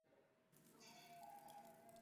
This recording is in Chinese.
天生左撇子。